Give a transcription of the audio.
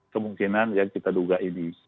kemungkinan yang kita duga ini